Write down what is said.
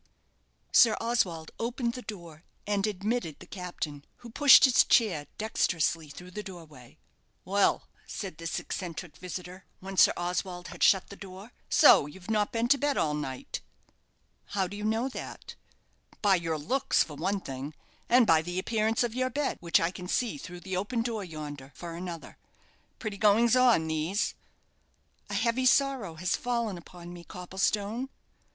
Sir Oswald opened the door, and admitted the captain, who pushed his chair dexterously through the doorway. "Well," said this eccentric visitor, when Sir Oswald had shut the door, "so you've not been to bed all night?" "How do you know that?" "By your looks, for one thing: and by the appearance of your bed, which I can see through the open door yonder, for another. Pretty goings on, these!" "A heavy sorrow has fallen upon me, Copplestone."